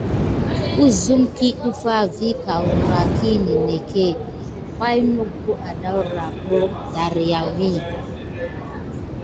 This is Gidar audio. Əzəm kiy ɗəfa vi agra ki ninegué bar adaora aka holokum bo dariyaku.